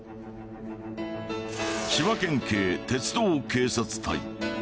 千葉県警鉄道警察隊。